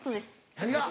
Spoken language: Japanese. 何が？